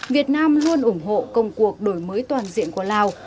việt nam luôn ủng hộ công cuộc đổi mới toàn diện của lào